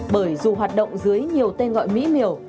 bởi dù hoạt động dưới nhiều tên gọi mỹ miều